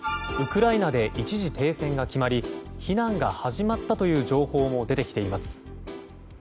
ウクライナで一時停戦が決まり避難が始まったという情報も出てきています。